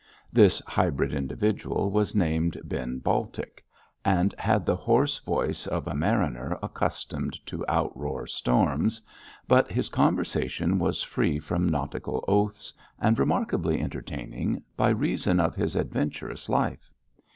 This hybrid individual was named Ben Baltic, and had the hoarse voice of a mariner accustomed to out roar storms, but his conversation was free from nautical oaths, and remarkably entertaining by reason of his adventurous life.